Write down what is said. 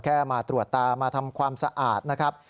แค่มาตรวจตามาทำความสะอาดนะครับ